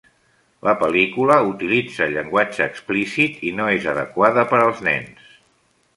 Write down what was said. La pel·lícula utilitza llenguatge explícit i no és adequada per als nens.